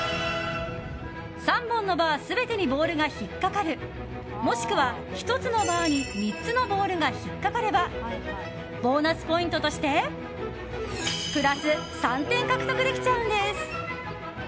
３本のバー全てにボールが引っかかるもしくは、１つのバーに３つのボールが引っかかればボーナスポイントとしてプラス３点獲得できちゃうんです。